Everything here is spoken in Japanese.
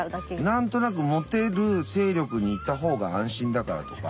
何となくモテる勢力にいた方が安心だからとか。